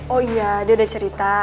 oh iya dia udah cerita